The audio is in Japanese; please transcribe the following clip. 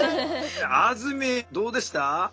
あずみんどうでした？